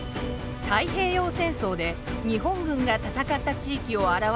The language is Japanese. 太平洋戦争で日本軍が戦った地域を表した地図です。